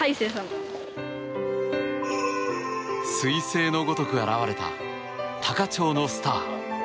彗星のごとく現れた多可町のスター。